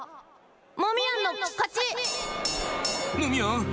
モミヤンのかち！